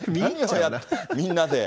みんなで。